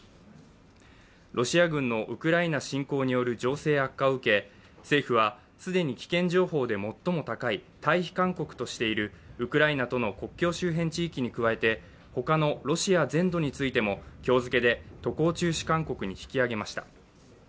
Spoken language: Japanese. ロシア軍のウクライナ侵攻による情勢悪化を受け政府は既に危険情報で最も高い退避勧告としているウクライナとの国境周辺地域に加えて他のロシア全土についても今日付で渡航中止勧告に引き上げました。